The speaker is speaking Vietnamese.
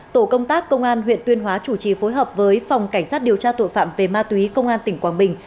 tổ công tác công an huyện tuyên hóa chủ trì phối hợp với phòng cảnh sát điều tra tội phạm về ma túy công an tỉnh quảng bình